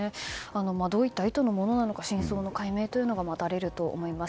どういった意図のものなのか真相の解明が待たれると思います。